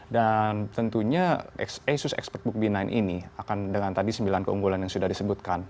dan tentunya asus expert book b sembilan ini akan dengan tadi sembilan keunggulan yang sudah disebutkan